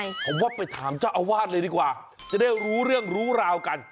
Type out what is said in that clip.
ผมว่าไปถามเจ้าอาวาสเลยดีกว่าจะได้รู้เรื่องรู้ราวกัน